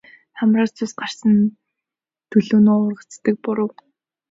Хамраас цус гарсан төлөөнөө уралцдаг буруу.